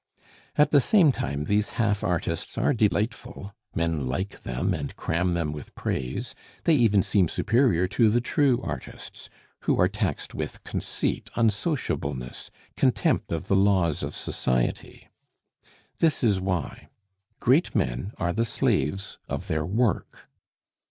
At the same time, these half artists are delightful; men like them and cram them with praise; they even seem superior to the true artists, who are taxed with conceit, unsociableness, contempt of the laws of society. This is why: Great men are the slaves of their work.